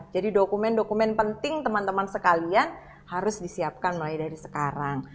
dokumen dokumen penting teman teman sekalian harus disiapkan mulai dari sekarang